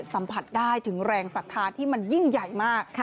สัมผัสได้ถึงแรงศรัทธาที่มันยิ่งใหญ่มาก